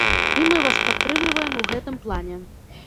І мы вас падтрымліваем у гэтым плане.